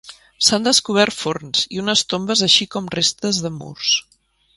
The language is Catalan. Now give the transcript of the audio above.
S'han descobert forns i unes tombes així com restes de murs.